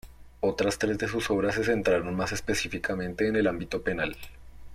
Otras tres de sus obras se centraron más específicamente en el ámbito penal.